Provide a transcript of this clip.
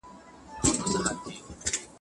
ټول واکسین مرکزونه فعال دي.